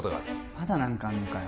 まだ何かあんのかよ？